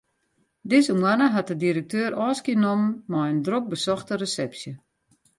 Dizze moanne hat de direkteur ôfskie nommen mei in drok besochte resepsje.